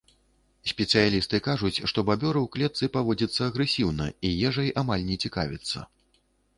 Спецыялісты кажуць, што бабёр у клетцы паводзіцца агрэсіўна і ежай амаль не цікавіцца.